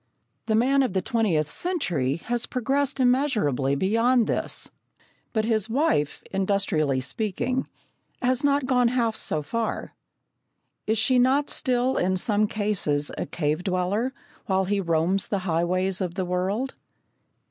The man of the twentieth century has progressed immeasurably beyond this, but his wife, industrially speaking, has not gone half so far. Is she not still in some cases a cave dweller, while he roams the highways of the world?